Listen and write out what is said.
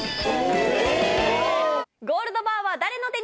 「ゴールドバーは誰の手に！」。